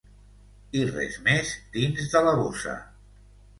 I res més dins de la bossa.